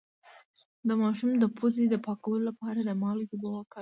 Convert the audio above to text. د ماشوم د پوزې د پاکوالي لپاره د مالګې اوبه وکاروئ